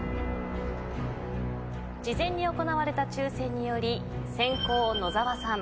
事前に行われた抽選により先攻野澤さん